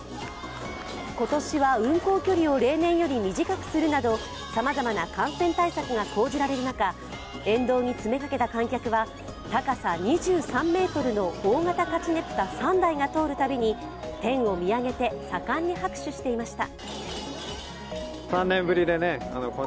今年は運行距離を例年より短くするなど、さまざまな感染対策が講じられる中沿道に詰めかけた観客は高さ２３ｍの大型立佞武多３台が通るたびに天を見上げて盛んに拍手していました。